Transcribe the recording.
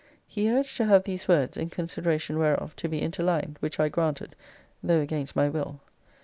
He urged to have these words (in consideration whereof) to be interlined, which I granted, though against my will.